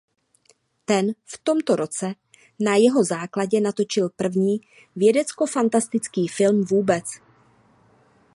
Ten v tomto roce na jeho základě natočil první vědeckofantastický film vůbec.